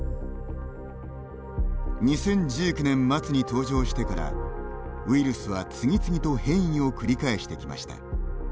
２０１９年末に登場してからウイルスは次々と変異を繰り返してきました。